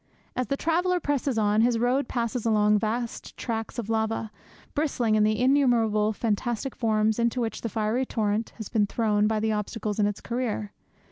As the traveller presses on, his road passes along vast tracts of lava, bristling in the innumerable fantastic forms into which the fiery torrent has been thrown by the obstacles in its career.